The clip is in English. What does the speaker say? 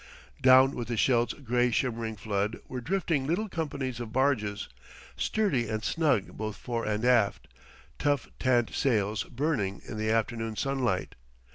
Down with the Scheldt's gray shimmering flood were drifting little companies of barges, sturdy and snug both fore and aft, tough tanned sails burning in the afternoon sunlight.